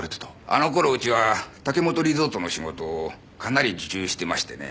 あの頃うちは武本リゾートの仕事をかなり受注してましてね。